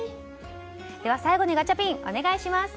最後にガチャピンお願いします。